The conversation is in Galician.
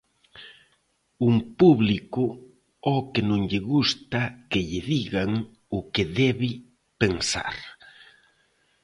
Un público ao que non lle gusta que lle digan o que debe pensar.